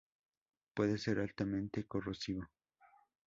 Puede ser altamente corrosivo.